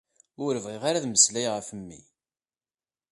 Ur bɣiɣ ara ad mmeslayeɣ ɣef mmi.